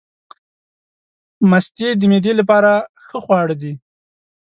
مستې د معدې لپاره ښه خواړه دي.